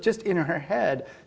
jadi dalam kepala dia